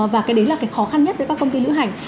và cái đấy là cái khó khăn nhất với các công ty lữ hành